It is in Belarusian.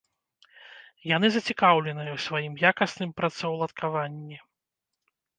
Яны зацікаўленыя ў сваім якасным працаўладкаванні.